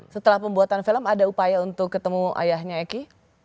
setelah pembuatan film ada upaya untuk ketemu ayahnya eki